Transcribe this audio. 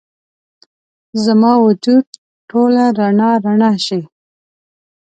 زما وجود ټوله رڼا، رڼا شي